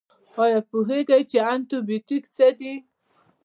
ایا پوهیږئ چې انټي بیوټیک څه دي؟